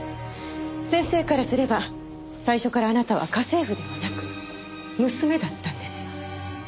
先生からすれば最初からあなたは家政婦ではなく娘だったんですよ。